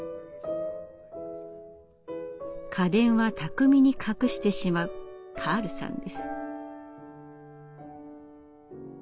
家電は巧みに隠してしまうカールさんです。